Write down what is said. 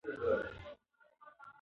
د ماشوم ملاتړ ټولنیز یووالی پیاوړی کوي.